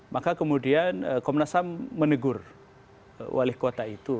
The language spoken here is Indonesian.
maka kemudian komnas ham menegur wali kota itu